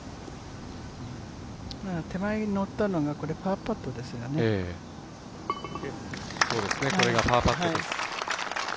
手前にのったのが、パーパットですね。